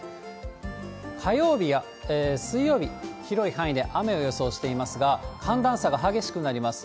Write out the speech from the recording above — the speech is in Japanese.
火曜日や水曜日、広い範囲で雨を予想していますが、寒暖差が激しくなります。